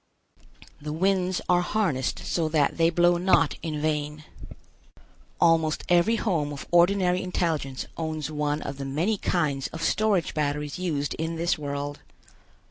The winds are harnessed so that they blow not in vain. Almost every home of ordinary intelligence owns one of the many kinds of storage batteries used in this world.